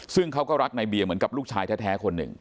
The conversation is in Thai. ซึ่งเขาก็รักในเบียร์เหมือนกับลูกชายแท้คนหนึ่ง